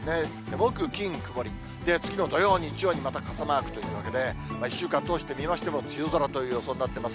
木、金、曇り、次の土曜、日曜にまた傘マークというわけで、１週間通してみましても、梅雨空という予想になってます。